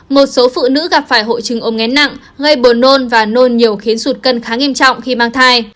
một số phụ nữ gặp phải hội chứng ôm ngén nặng gây buồn nôn và nôn nhiều khiến sụt cân khá nghiêm trọng khi mang thai